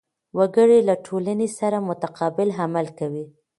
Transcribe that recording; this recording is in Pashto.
وګړي له ټولنې سره متقابل عمل کوي.